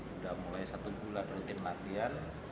sudah mulai satu bulan rutin latihan